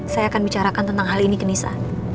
saya akan bicarakan tentang hal ini ke nisa